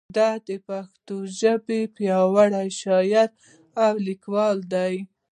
دی د پښتو ژبې پیاوړی شاعر او لیکوال دی.